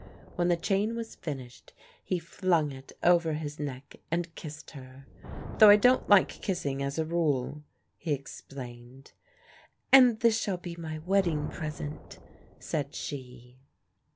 When the chain was finished he flung it over his neck and kissed her. "Though I don't like kissing, as a rule," he explained. "And this shall be my wedding present," said she.